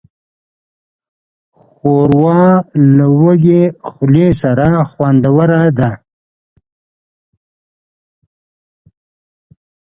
ښوروا له وږې خولې سره خوندوره ده.